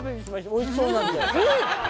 おいしそうなんで。